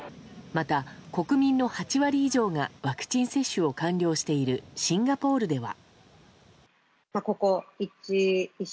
また、国民の８割以上がワクチン接種を完了しているシンガポールでは。